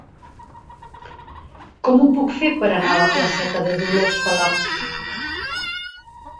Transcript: Com ho puc fer per anar a la placeta de Dolors Palau i Roura?